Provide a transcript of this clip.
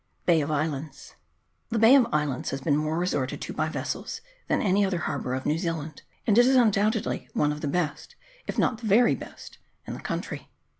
Bay of Islands. THE Bay of Islands has been more resorted to by vessels than any other harbour of New Zealand, and it is undoubtedly one of the best, if not the very best, in the country.